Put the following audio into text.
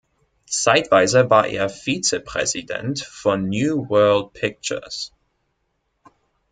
Zeitweise war er Vizepräsident von New World Pictures.